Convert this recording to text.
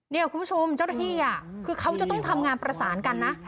คุณผู้ชมเจ้าหน้าที่คือเขาจะต้องทำงานประสานกันนะ